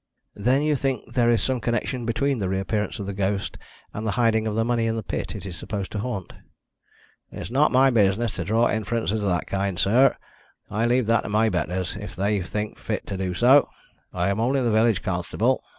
"Then you think there is some connection between the reappearance of the ghost and the hiding of the money in the pit it is supposed to haunt?" "It's not my business to draw inferences of that kind, sir. I leave that to my betters, if they think fit to do so. I am only the village constable."